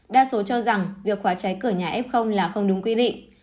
đa số cho rằng việc khóa cháy cửa nhà f là không đúng quy định